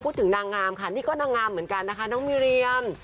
นางงามค่ะนี่ก็นางงามเหมือนกันนะคะน้องมิเรียม